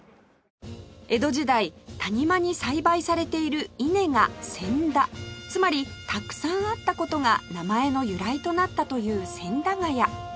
江戸時代谷間に栽培されている稲が「千駄」つまりたくさんあった事が名前の由来となったという千駄ヶ谷